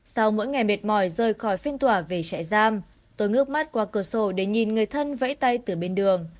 sau mỗi ngày mệt mỏi rời khỏi phiên tòa về trại giam tôi ngước mắt qua cửa sổ để nhìn người thân vẫy tay từ bên đường